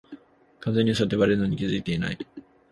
完全に嘘ってバレてるのに気づいてない